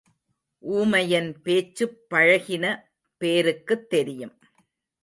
ஊமையன் பேச்சுப் பழகின பேருக்குத் தெரியும்.